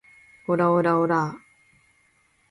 オラオラオラァ